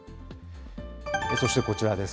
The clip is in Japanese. そしてこちらです。